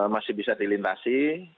masih bisa dilintasi